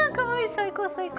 最高最高！